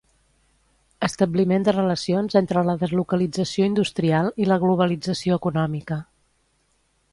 Establiment de relacions entre la deslocalització industrial i la globalització econòmica.